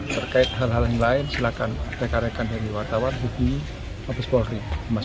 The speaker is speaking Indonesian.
terkait hal hal lain silakan reka rekan dari wartawan bukini mabespolri